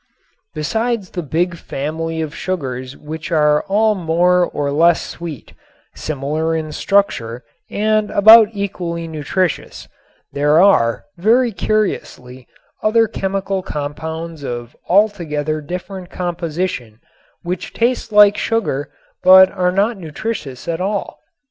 Besides the big family of sugars which are all more or less sweet, similar in structure and about equally nutritious, there are, very curiously, other chemical compounds of altogether different composition which taste like sugar but are not nutritious at all.